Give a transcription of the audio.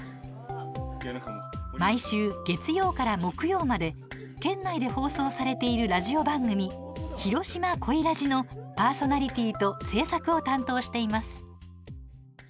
毎週月曜から木曜まで県内で放送されているラジオ番組「ひろしまコイらじ」のパーソナリティーと制作を担当しています。